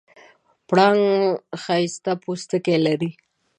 پړانګ ښایسته پوستکی لري.